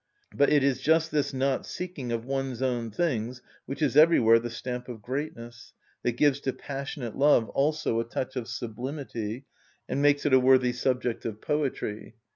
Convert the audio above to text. But it is just this not seeking of one's own things which is everywhere the stamp of greatness, that gives to passionate love also a touch of sublimity, and makes it a worthy subject of poetry.